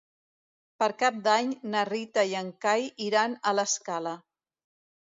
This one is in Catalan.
Per Cap d'Any na Rita i en Cai iran a l'Escala.